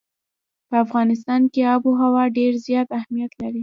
په افغانستان کې آب وهوا ډېر زیات اهمیت لري.